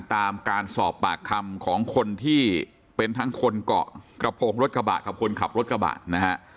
ตามการสอบปากคำของคนที่เป็นทั้งคนเกาะกระโพงรถกระบะกับคนขับรถกระบะนะฮะ